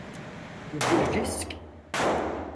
Bu bir risk.